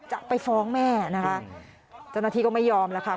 จะไปฟ้องแม่นะคะจนทีก็ไม่ยอมแหละค่ะ